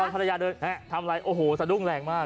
ภรรยาเดินทำอะไรโอ้โหสะดุ้งแรงมาก